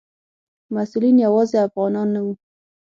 مسؤلین یوازې افغانان نه وو.